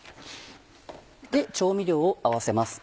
調味料を合わせます。